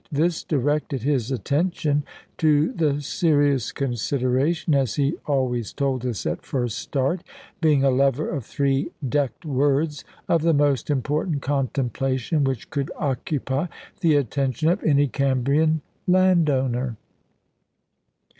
This directed his attention to the serious consideration, as he always told us at first start, being a lover of three decked words, of the most important contemplation which could occupy the attention of any Cambrian landowner.